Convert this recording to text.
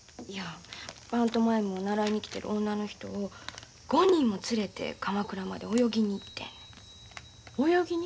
いやパントマイムを習いに来てる女の人を５人も連れて鎌倉まで泳ぎに行ってんねん。